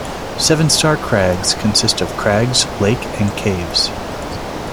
Seven Star Crags consist of crags, lake and caves.